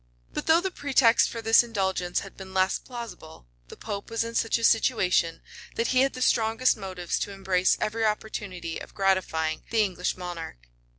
9 But though the pretext for this indulgence had been less plausible, the pope was in such a situation that he had the strongest motives to embrace every opportunity of gratifying the English monarch.